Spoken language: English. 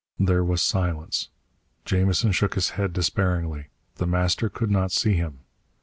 There was silence. Jamison shook his head despairingly. The Master could not see him.